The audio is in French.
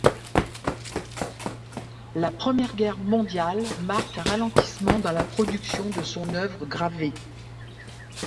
La Première Guerre mondiale marque un ralentissement dans la production de son œuvre gravé.